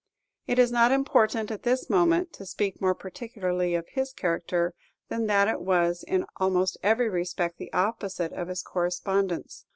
It is not important, at this moment, to speak more particularly of his character, than that it was in almost every respect the opposite of his correspondent's.